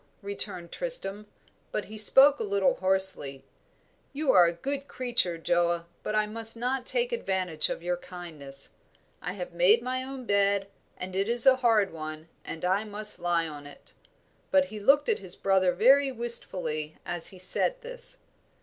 returned Tristram; but he spoke a little hoarsely. "You are a good creature, Joa, but I must not take advantage of your kindness. I have made my own bed, and it is a hard one, and I must lie on it." But he looked at his brother very wistfully as he said this.